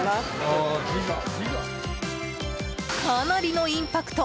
かなりのインパクト！